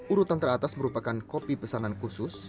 urutan teratas merupakan kopi pesanan khusus